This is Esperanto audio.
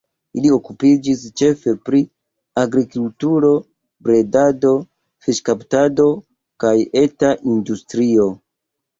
Ili okupiĝis ĉefe pri agrikulturo, bredado, fiŝkaptado kaj eta industrio.